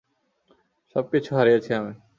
সবকিছু হারিয়েছি আমি।